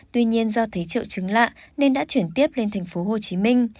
tuy nhiên do thấy triệu chứng lạ nên đã chuyển tiếp lên thành phố hồ chí minh